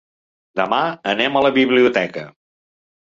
Demà anem a la biblioteca.